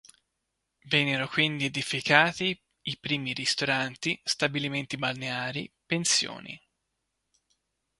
Vennero quindi edificati i primi ristoranti, stabilimenti balneari, pensioni.